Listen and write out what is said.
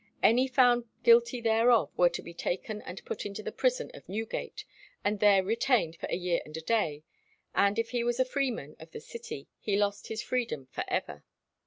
Any found guilty thereof were to be taken and put into the prison of Newgate, and there retained for a year and a day; and if he was a freeman of the city, he lost his freedom for ever.